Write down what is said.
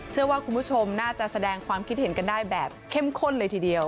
เชื่อว่าคุณผู้ชมน่าจะแสดงความคิดเห็นกันได้แบบเข้มข้นเลยทีเดียว